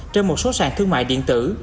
trên một số sàn thương mại điện tử